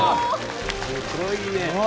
すごいね。